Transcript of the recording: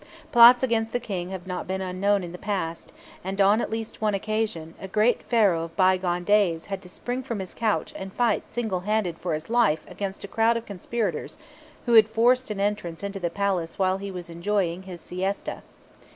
Plots against the King have not been unknown in the past; and on at least one occasion, a great Pharaoh of bygone days had to spring from his couch and fight single handed for his life against a crowd of conspirators who had forced an entrance into the palace while he was enjoying his siesta.